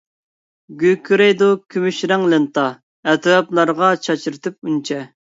گۈركىرەيدۇ كۈمۈش رەڭ لېنتا، ئەتراپلارغا چاچرىتىپ ئۈنچە.